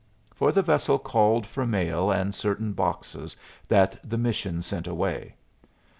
For the vessel called for mail and certain boxes that the mission sent away.